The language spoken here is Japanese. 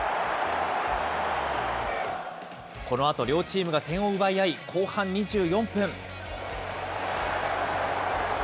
このあと、両チームが点を奪い合い、後半２４分。